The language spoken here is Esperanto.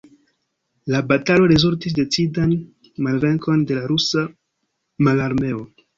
La batalo rezultis decidan malvenkon de la Rusa Mararmeo.